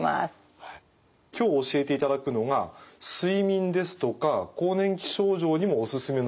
今日教えていただくのが睡眠ですとか更年期症状にもオススメのヨガ。